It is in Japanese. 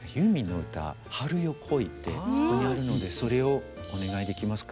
あそこにあるのでそれをお願いできますか。